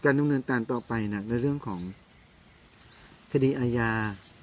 ดำเนินการต่อไปในเรื่องของคดีอาญา